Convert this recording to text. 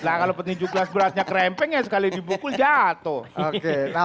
nah kalau petinju kelas beratnya krempeng ya sekali dibukul jatuh